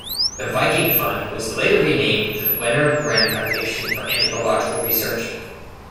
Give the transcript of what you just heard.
The Viking fund was later renamed the Wenner-Gren Foundation for Anthropological Research.